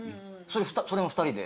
それも２人で？